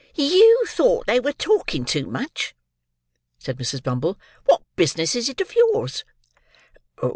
"You thought they were talking too much?" said Mrs. Bumble. "What business is it of yours?"